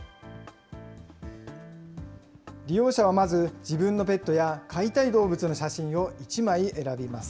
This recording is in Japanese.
利用者はまず、自分のペットや飼いたい動物の写真を１枚選びます。